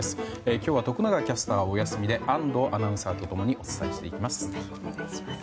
今日は徳永キャスターはお休みで安藤アナウンサーと共にお伝えいたします。